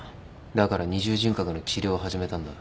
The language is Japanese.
だから二重人格の治療を始めたんだ。